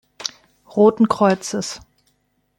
Roten Kreuzes.